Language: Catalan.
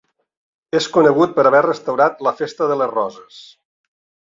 És conegut per haver restaurat la Festa de les Roses.